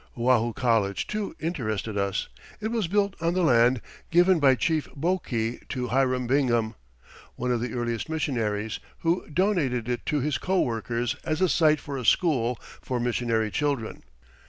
Oahu College, too, interested us. It was built on the land given by Chief Boki to Hiram Bingham, one of the earliest missionaries, who donated it to his coworkers as a site for a school for missionary children.